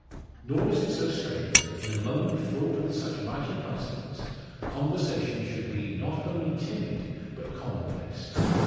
Nor is it so strange, that in a moment fraught with such mighty consequence, conversation should be not only timid, but commonplace.